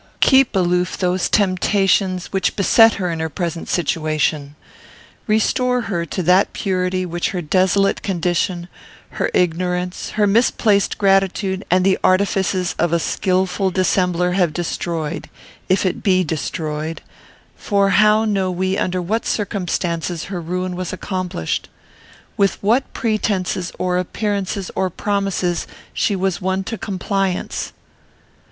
Keep aloof those temptations which beset her in her present situation. Restore her to that purity which her desolate condition, her ignorance, her misplaced gratitude and the artifices of a skilful dissembler, have destroyed, if it be destroyed; for how know we under what circumstances her ruin was accomplished? With what pretences, or appearances, or promises, she was won to compliance?"